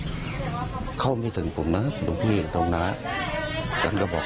เข้าทำไมไม่ถึงผมนะนึงพื้นด้องหน้าผมขยับบอก